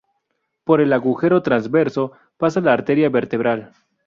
Por el agujero transverso pasa la arteria vertebral.